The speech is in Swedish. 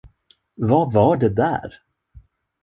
Vad var det där?